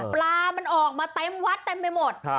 ปลามันออกมาเต็มวัดเต็มไปหมด